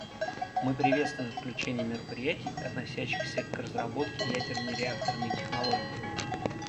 Мы приветствуем включение мероприятий, относящихся к разработке ядерной реакторной технологии.